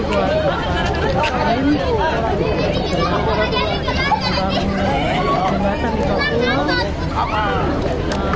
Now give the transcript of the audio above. bagi pembantu pembantu jembatan di papua